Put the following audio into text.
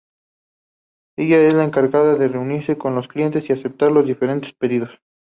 Ella es la encargada de reunirse con los clientes y aceptar los diferentes pedidos.